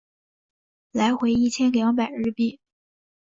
来回一千两百日币